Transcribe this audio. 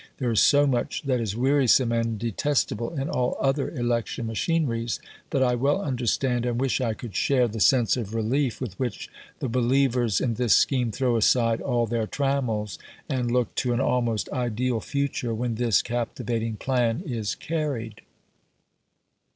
There is so much that is wearisome and detestable in all other election machineries, that I well understand, and wish I could share, the sense of relief with which the believers in this scheme throw aside all their trammels, and look to an almost ideal future when this captivating plan is carried.